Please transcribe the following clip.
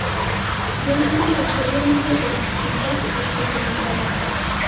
Johnson posteriormente se disculpó por su comentario.